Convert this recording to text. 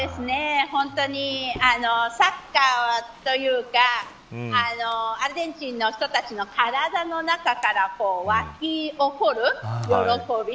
サッカーというかアルゼンチンの人たちの体の中から沸き起こる喜び。